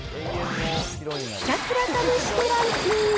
ひたすら試してランキング。